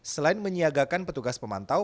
selain menyiagakan petugas pemantau